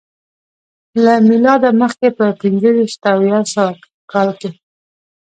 له میلاده مخکې په پنځه ویشت او یو سوه کال کې